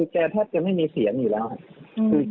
คือแกแทบจะไม่มีเสียงอยู่แล้วค่ะ